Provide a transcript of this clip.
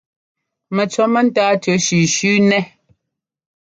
Mɛcʉɔ mɛ́táa tʉ shʉ̌shʉ̌ nɛ́.